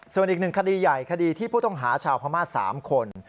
ส่วนอีกหนึ่งคดีใหญ่คดีที่ผู้ต้องหาชาวพม่า๓คน